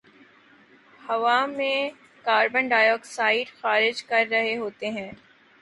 ہوا میں carbon dioxide خارج کررہے ہوتے ہیں